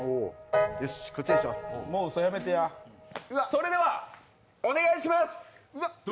それではお願いします。